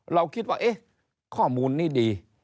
เราคิดว่าเอ๊ะข้อมูลนี้ดี